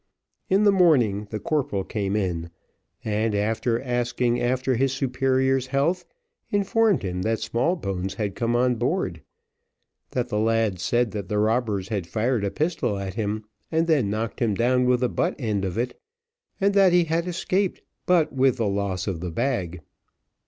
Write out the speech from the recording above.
In the morning the corporal came in, and after asking after his superior's health, informed him that Smallbones had come on board, that the lad said that the robbers had fired a pistol at him, and then knocked him down with the butt end of it, and that he had escaped but with the loss of the bag.